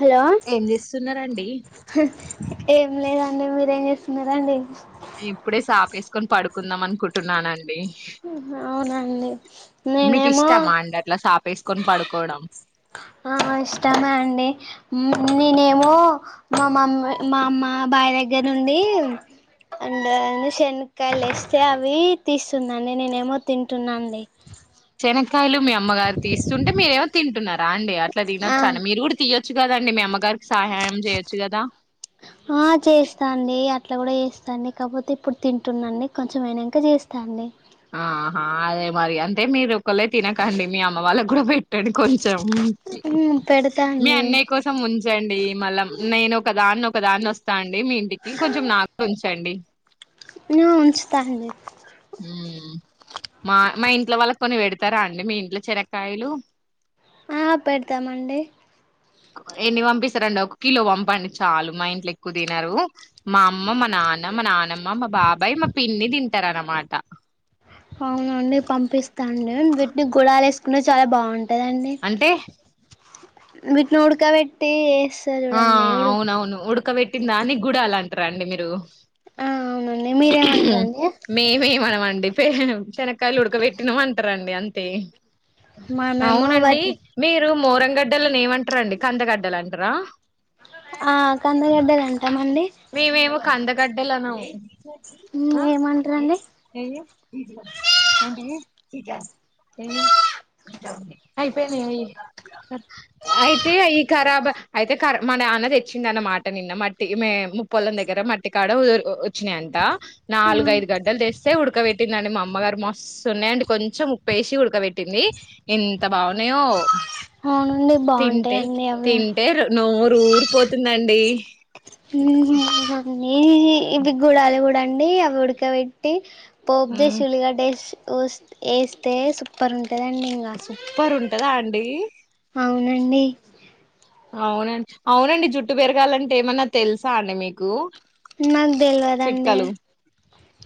Hello ఏం చేస్తున్నారండి ఏం లేదండి మీరేం చేస్తున్నారండి ఇప్పుడే సాపేసుకొని పడుకుందాం అనుకుంటున్నానండి అవునండి నేనేమో వేసుకొని పడుకోవడం ఆ ఇష్టమే అండి హ్మ్ నేనేమో మా మమ్మీ మా బాబాయి దగ్గర నుండి అండ్ ఏంది శనక్కాయలు తెస్తే అవి తీస్తుందండి. నేనేమో తింటున్నా అండి. శనకాయలు మీ అమ్మగారు తీస్తుంటే మీరేమో తింటున్నారు రాండి అట్లా ఆ తినొచ్చాండి అట్ల మీరు కూడా తీయొచ్చు కదా డి మీ అమ్మగారు ఆ చేస్తా అండి అ అట్లా కూడా చేస్తాడి కాకపోతే ఇప్పుడు తింటున్నాండి కొంచెంమయినాక చేస్తాండి ఆహా అదే మరి అంటే మీరు ఒకలే తినకండి మీ అమ్మ వాళ్ళకు కూడ్ కూడా పెట్టండి కొంచెం పెడతా మీ అండి అన్నయ్య కోసం ము ఉంచండి మళ్ళ నేను ఒక దాన్ని ఒక దాన్ని వస్తా అండి మీ ఇంటికి కొంచెం నాకు ఉంచండి ఉ ఉంచుతనులే హ్మ్ మా ఇంట్లో వాళ్ళకి కొన్ని పెడతారా అండి మీ ఇంట్లో శనక్కాయలు ఆ పెడతామండి. ఎన్ని పంపిస్తారండి ఒక కిలో పంపండి చాలు మా ఇంట్లో ఎక్కువ తినరు మా అమ్మ, మా నాన్న, మా నానమ్మ, మా బాబాయ్, మా పిన్ని తింటరు అన్నమాట ట అవునండి పంపిస్తా అండి వీటిని గుడాలేస్ నువ్వు చాలా బాగుంటావ్ అంటే వీటిని ఉడకబెట్టి వేస్తారు ఆ చూడండి ఉడు అవునవును ఉడకబెట్టిందాన్ని గుడాల్ అంట రండి మీరు ఆ అవునండి మీరేమంటారండి మేమేం అనం మండిపోయను శనక్కాయలు ఉడకబెట్టినాం అంటరండి అం తే మనమేమో అవునండి వాటి మీరు మోరం గడ్డలని ఎమంటారండి కందగడ్డలు అంటరా ఆ కందగడ్డలు ఎంతా మండి మేమేమ కందకడ్డెలాన్నా ఏమంటారంండి అయిపోయినా అయితే అయి ఖరాబ్ అయితే మన అన్న తెచ్చింది అన్నమాట నిన్న మట్ మే ముప్పొలం దగ్గర మట్టికాడ వచ్చినాయంట ఆ నాలుగుఐదు గంటలు తెస్తే ఉడకబెట్టిందండి మా అమ్మగారు మస్తున్నా అండ్ కొంచెం ఉప్ప వేసి ఉడకబెట్టింది ఎంత బాగున్నాయో అవునండి తింటే బాగుంటాయండి అవి తింటే నోరు ఊరు పోతే ఎందండి అన్నీ ఇవి గుడాల కూడా అండి అవి ఉడకబెట్టి పోబ్జేశూలిగా డే ఏ సుపర్ ఉ సూపర్ ఉంటదా అండి రండి అవునండి అవునండి జుట్టు పెరగాలంటే ఏమన్నా తెలుసా అండి మీకు నాకు తెలియదండి చిట్కాలు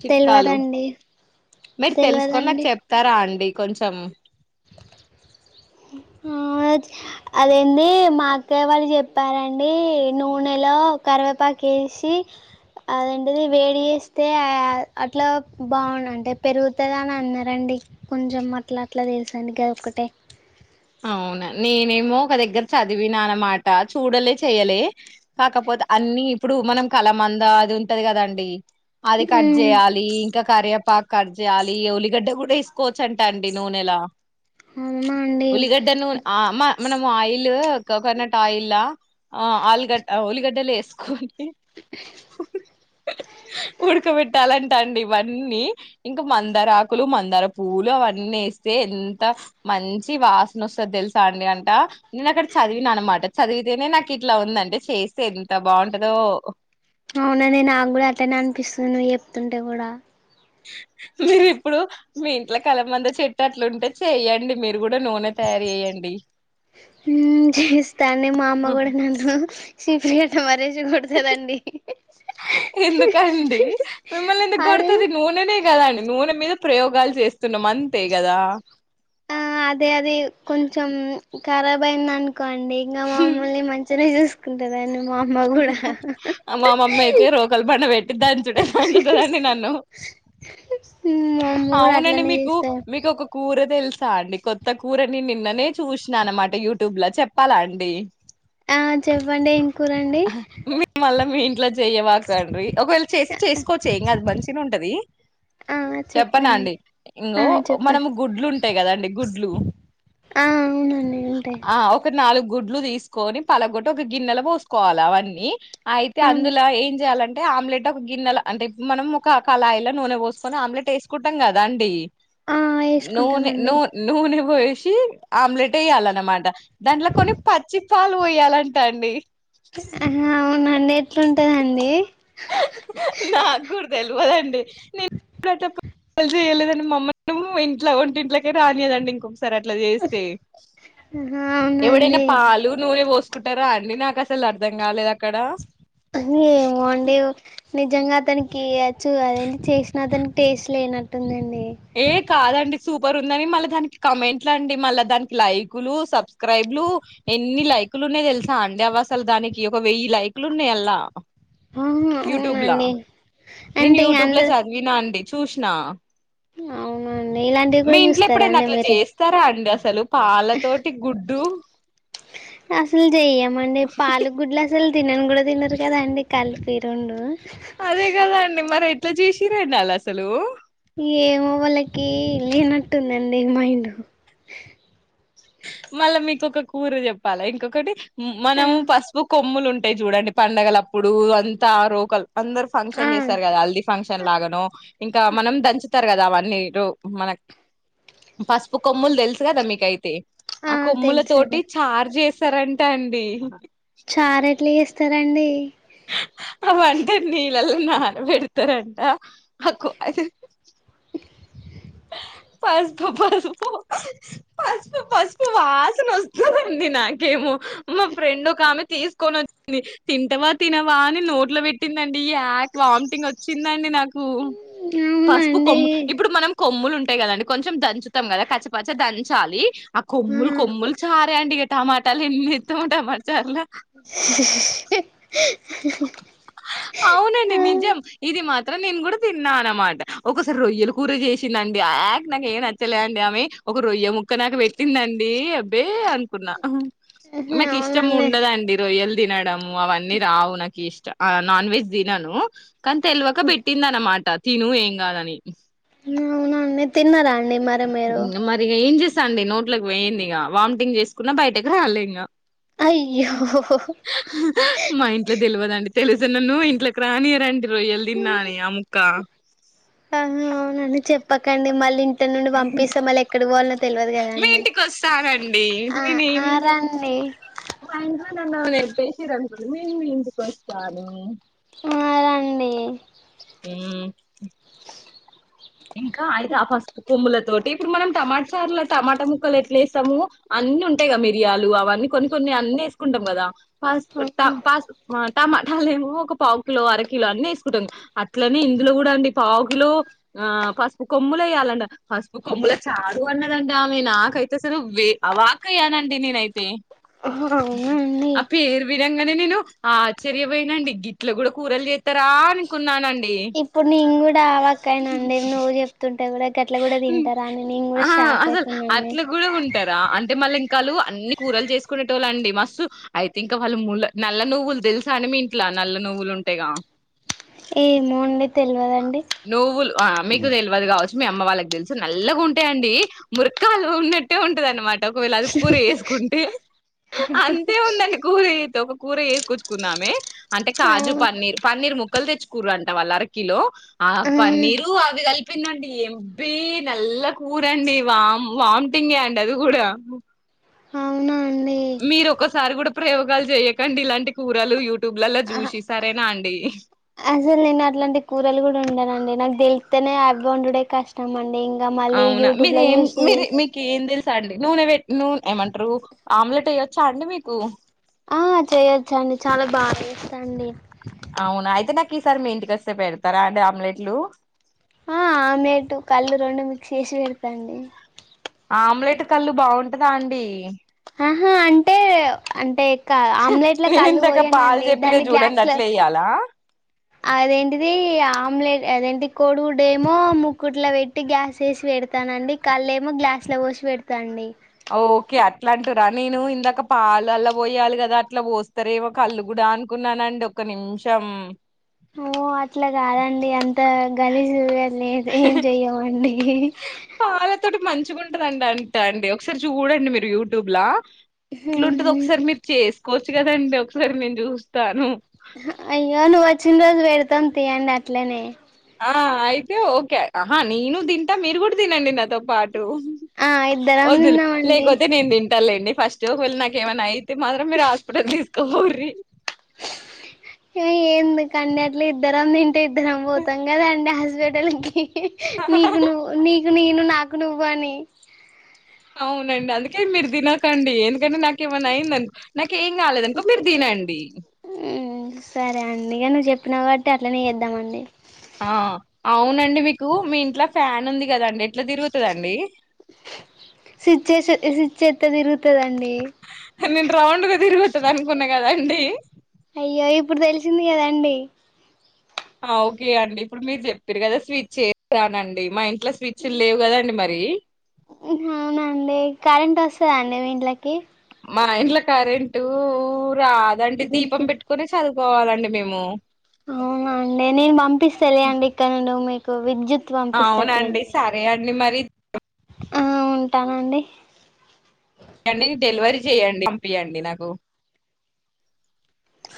చిట్కాలు తెలియదండి మీరు తెలుసుకొని నాకు తెలియదండి చెప్తారా అండి కొంచెం అదేంటి మా అక్కయ్య వాళ్ళు చెప్పారంండి నూనెలో కరివేపాక వేసి అదంటిది వేడి చేస్తే అట్లా బాగు అంటే పెరుగుతుందా అని అన్నారంండి కొంచెం అట్లా అట్లా తెలుసు అనిగా ఒకటే అవునా నేనేమో ఒక దగ్గర చదివినా అన్నమాట చూడలే చెయలే కాకపోతే అన్ని ఇప్పుడు మనం కల మంద అది ఉంటది కదాండి అది కట్ మ్మ్ చేయాలి ఇంకా కరివేపా కట్ చేయాలి ఉల్లిగడ్డ కూడా ఇసుకోవచ్చు అంట అండి నూనెలా అ ఉల్లిగడ్డను మ మనం ఆయిల్ కొకనట్ ఆయిల్ ఆ ఆల్గడ్ ఉలిగడ్డలో ఎస్కు ఉడకబెట్టాలా అండీ ఇవన్నీ ఇంకా మందారకులు మందార పువ్వులు అవన్నీ వేస్త ఎంత మం వచ్చి వాసన వస్తుంది తెలుసా అండి అంట నేను అక్కడ చదివిన అనమాట చదివితేనే నాకు ఇట్లా ఉందంటే చేస్తే ఎంత బాగుంటందో, అవునఅండి నాకు కూడా అట్టనే అనిపిస్తుందివ్ చెప్తుంటే కూడా మీరు ఇప్పుడు మీ ఇంట్లో కల మంద చెట్టు అట్లుంటే చెయ్యడి మీరు కూడా నూనె తయారు చే్యడి హు చేయిస్తా మా అమ్మ కూడా నన్ను [unintelligible] కొడతదండి ఎందుకండి మిమ్మల్ని ఎందుకు అదే కొడుతుంది నూనెనే కదండి నూనె మీద ప్రయోగాలు చేస్తున్నాం అంతే కదా ఆ అదే అది కొంచెం కరాబ్ అయింది అను కిండి ఇంకా మమ్మల్ని మంచిగానే చూసుకో ఉంటాది మా మమ్మీ అయితే రోకల బండ పెట్టి దాచూడ దాచుతుదండి నన్ను మా అమ్మ కూడా అవునండి అట్లనే మీకు చేస్తారు మీకు ఒక కూర తెలుసా అండి కొత్త కూరని నిన్ననే చూసిన అనమాట యూట్యూబ్ లో చెప్పాలా అండి ఆ చెప్పండి కూరండి మీ మల్ల మీ ఇంట్లో చేయ్యవాకుండీ ఒకవేళ చేసి చేసుకోవచ్చ ఇంగా దు మంచిగానే ఉంటది ఆ చెప్పనా చెప్పండి అండి ఆ ఇంగో చెప్ప మనం గుడ్లు ఉంటాయి కదాండి గుడ్లు ఆ అవునండి ఉంటాయి ఆ ఒక నాలుగు, గుడ్లు తీసుకొని పలగొట్ట ఒక గిన్నెలో పోసు కోవాలె అవన్నీ, అయితే ఆ అందులో ఏం చేయాలంటే అంటే ఆమ్లెట్ ఒక గిన్నెలో అంటే మనం ఒక క అలాయిలా నూనె పోసుకొని ఆమ్లెట్ వేసుకుంటాం కదా అండి, ఆ నూన వేసుకుంటామండి నూ నూనె పోయ, ఆమ్లెట్ వేయ్యాలన్నమాట దాంట్లో కొన్ని పచ్చి పాలు పోయాలంటా అండి, హ అవునండి ఎట్లువు ఉంటదండి నాకు కూడా తెలియదండి నేను ఎప్పుడు ప్రయోగాలు చేయలేదండి మా అమ్మ కూడాఇంట్లో ఒంటింట్లోకే రానియదండి ఇంకో అట్లా చేస్తే ఆహా ఎవడై అవునండి పాలు నూనె సుకుంటారా అండి నాకు అసలు అర్థం కాలేదు అక్కడ ఏమోండి నిజంగా అతనికి చ్చు అదేంటి చేసినాతనికి టేస్ట్ లేనట్టుందండి ఏ కాదండి సూప ర్ ఉందని మళ్ళా దానికి కమెంట్లు. అండి మల్ల దానికి లైకులు సబ్స్క్రయిబ్ లు ఎన్ని లైకులు ఉన్నాయయి తెలుసా అండి అవి అసలు దానికి ఒక వెయ్యి లైకులు ఉన్నాయి అల్లా, ఆహా యూట్యూబ్లా అవునండి నేను అంటే ఇంగ యూట్యూబ్ లో అందరు చదివిన అండి, చూసిన అవునండి ఇలాంటివి మీ కూడా ఇంట్లో చూస్తారా ఎప్పుడైనా అండి అట్లా మీరు చేస్తారా అండి అసలు తెలుప్ పాల తోటి గుడ్డు అసలు చెయ్యమంటే పలు గుడ్లు అసలు తినం కూడా తిన్నారురు కదా అండి కలిపి రండు లా జషిరడుడాలా ససలు ఏమో వాళ్ళకి లేనట్టుందండి మైండ్ మళ్ళా మీకు ఒకక కూర చెప్పాలా ఇంకొకటి మన పాస్బుక్ తమ్ములు ఉంటాయి చూడండి పండగల అప్పుడు అంతా రోకలు అందరు ఆ ఫంక్షన్ చేస్తారు కదా హల్దీ ఫంక్షన్ చెెల్లాగను ఇంకా మనం దంచతర కదా అవన్నీ మీరు మనకు పసుపు కొమ్ములు తెలుసు కదా మీకైతే ఆ కొమ్ముల తోటి చార్ చేసి సరే అంటే అండి చార ఎట్ల ఏ సరే అండి అ అంటే నీళ్ళలో నాన పెడతారంట ఆకు పసుపు పసుపు పసుపు పసుపు వాసన వస్తుందండి నాకేమో మా ఫ్రెండ్ ఒక ఆమె తీసుకొని వచ్చింది తింటవా తినవా అని నోట్లో పెట్టిందండి ఈ యాక్ వామిటింగ్ వచ్చిందండి నాకు పసుపు అవునండి కొమ్ము ఇప్పుడు మనం కొమ్ములు ఉంటాయి కదండి కొంచెం దంచుతాం కదా పచ్చిపచ్చచి దంచాలి ఆ కొమ్ముల్ కొమ్ముుల్ చారే అండి గ టమాటలు ఎండి త టమాట చె అవునండి నిజం ఇది మా నేను కూడా తిన్నాను అనమాట ఒకసారి రొయ్యలు కూర చేసిందిండి యాగ నాకు ఏం నచ్చలేండి ఆమె ఒక రొయ్య ముక్క నాకు పెట్టిందండి అబ్బే అ నాకు ఇష్టం అవునండి ఉండదండి రోయ్యల్ తినడము అవన్నీ రావు నాకు ఇష్ట ఆ నాన్ వెజ్ దినను కానీ తెలివక పెట్టింది అన్నమాట తిను ఏం గాదని అవునండి తిన్నారా అండి మరే మీరు మరి ఇగ ఏం చేస్తా అండి నోట్లలకు వేయంంది ఇక వామిటింగ్ చేసుకున్నా బయటకు రాలే ఇంక అయ్యో ఓదండి తెలుస్తేనన్ను ఇట్లోకి రానివారు అండి రొయ్యలు తిన్నఅని ఆ ముక్క ప్పకండి మళ్ళీ ఇట్ల నుండి పంపిస్తే మళ్ళీ ఎక్కడ పోవాలో మీ ఇంటికి వస్తానండి ఆ నేను ఆ ఏమి రండి మా ఇంట్లో నన్ను ఏమన్నా నేటేసిన్లు అనుకోండి నేన్ మీ ఇంటికి వస్తాను ఆ రండి ఉమ్ ఇంకా అయితే ఆ పసుపు కొమ్ములది. తోటి ఇప్పుడు మనం టమాటా చార్ల టమాటా ముక్కలు ఎట్లా వేస్తాము, అన్ని ఉంటాయి కద మిరియాలు అవన్నీ కొన్ని కొన్ని అన్ని వేసుకుంటాం కదా. పాస్ ట పాస్ మార్ట్ టమాటాలు ఏమో ఒక పావు కిలో అరకిలో అన్ని వేసుకుంటాంది అట్లనే ఇందులో కూడా అండి పావు కిలో ఆ పసుపు కొమ్ములు వయ్యాలంట పసుపు కొమ్ముల చారు అన్నది అండి ఆమె, నాకైతే అసలు వే అవాక అయ్యానండి నేనైతే. హా రాను అవునండి నిజంగానే నేను ఆశ్చర్యపోయిన అండి గిట్లు కూడా కూరలు చేస్తారా అనుకున్నానండి. ఇప్పుడు నీను కూడా ఆవక్కయినా నేను నువ్వు చెప్తుంటే కూడా గట్ల కూడా ఉమ్ తింటారా అని నేను కూడా ఆ షాక్ అసలు అయితునండి అట్లా కూడా ఉంటారా అంటే మళ్ళీ ఇంకాలు అన్ని కూరలు చేసుకునే తోలండి మస్తు అయితే ఇంకా వాళ్ళు ముల్ల నల్ల నువ్వులు తెలుసా అనే మీ ఇంట్లా నల్ల నువ్వులు ఉంటేగా ఏమో అండి తెల్వదండి. నువ్వులు ఆ మీకు తెల్వదు కావచ్చు మీ అమ్మ వాళ్ళకి తెలుసు నల్లగా ఉంటాయి అండి. మూర్కలువ ఉన్నట్టే ఉంటది అనమాట ఒకవేళ అది కూర చేసుకుంటే అంతే ఉందండి కూర చేతే కూర వేసుకొచ్చుకుంనామే అంటే ఆ కాజు పన్నీర్ పన్నీర్ ముక్కలు తెచ్ కూర అంట వాళ్ళు అరకిలో ఆ పన్నీరు అవి కలిపి పిన్న ఎబీ నల్ల కూరండి వామ్ వామిటింగే అండి అది కూడా అవునా అండి మీరు ఒకసారి కూడా ప్రయోగాలు చేయకండి ఇలాంటి కూరలు యూ ఆహా అసలు నేను అట్లాంటి కూరలు కూడా ఉండనండి. నాకు తెలుతానే అవి వండుడే కష్టం అండి ఇక్ అవునా మిడ్ ఏం మీరేం మీర మీకుేం తెలుస అండి నువవెట్ నూన ఏమంటారు ఆమ్లెట్ వేయొచ్చా అండి మీకు ఆ చేయొచ్చ అండి చాలా బాగా చేస్తాండి అవునా అయితే నాకు ఈసారి మీ ఇంటికి వస్తే పెడతారా అండి ఆమ్లెట్లు ఆ ఆమ్లెటు కళ్ళు రెండు మిక్స్ చేసి పెడతండి ఆమ్లెట్ కల్లు బావుంటదా అండి ఆహా అంటే అంటే ఆమ్లెట్ లో నేను కల్లు ఇందాక పాలు పోయానండి చెప్పిన దాన్ని చూడండి గ్లాస్ లో అట్లా ఎయ్యాలా అదేంటిది ఆమ్లెట్ అదేంటి కోడిగుడ్డేమో ము కుట్లో పెట్టి గ్యాస్ ఏసి పెడతాన అండి కల్లు ఏమో గ్లాస్లో పోసి పెడతా అండి ఓకే అట్లా అంటురా నేను ఇందాక పాలు అల్ల పోయాలి కదా అట్లా పోస్తారేమో కల్లు గూడా అనుకున్నానండి ఒక నిమిషం ఓ అట్లా కాదండి అంత గలీజు [unintelligible] లేదు ఏం చెయ్యమండి ముట్టుకుంటదంటండి ఒకసారి చూడండి మీరు యూట్యూబ్లా ఎట్లుంటది ఒకసారి మీరు చేసుకోవచ్ చూడండి ఒకసారి నేను చూస్తాను అయ్యో నువ్వు వచ్చిన రోజు పెడతాం తీయండి అట్లనే ఆ అయితే ఓకే ఆహా నేను తింటా మీరు కూడా తినండి నాతో పాటు ఆ ఇద్దరం వద్దులే తిన్నామండి లేకపోతే నేను తింటాలెండి ఫస్టాఫాల్ నాకేమైనా అయితే మాత్రం మీరు హాస్పిటల్ తీసుకోపోవురి ఎందు కన్నట్లు ఇద్దరం తిం ఇద్దరం పోతాం కదండి హ స్వేడేలకి [unintelligible] నీకు నువ్వు నీ నేను నాకు నువ్వాని అవునండి అందుకే మీరు తినకండి ఎందుకంటే నాకేమన్నా అయిందనుకో నాకు ఏం కాలేదనుకో మీరు తినండి సరే అండి ఇక నువ్వు చెప్పినా కాబట్టి అట్లా నీ చేద్దామండి ఆ అవునండి మీకు మీ ఇంట్లో ఫ్యాన్ ఉంది కదండి ఎట్లా తిరుగుతదండి స్విచ్ ఏసి స్విచ్చేత్తే తిరుగుతుదండి నేను రౌండ్ గా తిరుగుతుంది అనుకున్నా కదా అండి అయ్యో ఇప్పుడు తెలిసింది కదండి ఓకే అండి ఇప్పుడు మీరు చెప్పిరు కదా స్విచ్ చేసానండి మా ఇంట్లో స్విచ్లు లేవు కదాండి మరి మీక్ కరంట్ వస్తదా అండి వీళ్ళకి మా ఇండ్ల కరెంటూ రాదండి దీపం పెట్టుకునే చదువు కోవాలండి మేము అవునండి నేను పంపిస్తలే అండి ఇక్కడ నుండి ఓ మీకు. కోవిడ్చుక్. అవునాండి సరే అండి మరి. ఆహ్ ఉంటానండి. అండి డెలివరీ చెయ్యండి పంపియండి నాకు.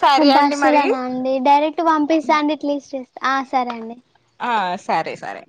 సరే అండి మరి. బస్సులనా అండి డైరెక్ట్ పంపిస్తా అండి ఎట్లీస్ట్. ఆహ్ సరే అండి. ఆహ్ సరే సరే.